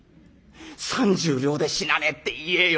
３０両で死なねえって言えよ。